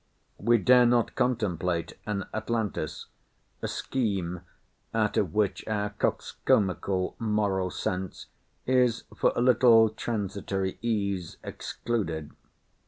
We dare not contemplate an Atlantis, a scheme, out of which our coxcombical moral sense is for a little transitory ease excluded.